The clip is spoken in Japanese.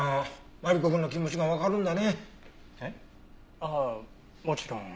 ああもちろん。